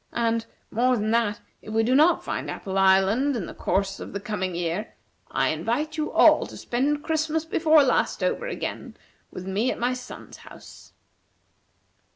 And, more than that, if we do not find Apple Island in the course of the coming year, I invite you all to spend Christmas before last over again, with me at my son's house."